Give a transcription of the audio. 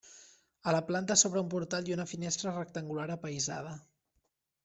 A la planta s'obre un portal i una finestra rectangular apaïsada.